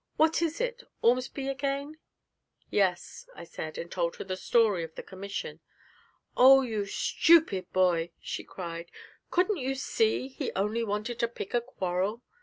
What is it? Ormsby again?' 'Yes,' I said, and told her the story of the commission. 'Oh, you stupid boy!' she cried, 'couldn't you see he only wanted to pick a quarrel?